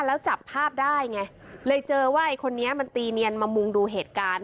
แล้วจับภาพได้ไงเลยเจอว่าไอ้คนนี้มันตีเนียนมามุงดูเหตุการณ์